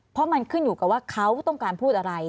เพราะมันขึ้นอยู่กับว่าเขาต้องการพูดอะไร